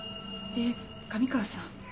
で神川さん。